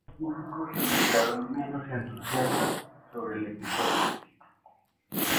Algunos críticos se mostraron menos entusiastas sobre el episodio.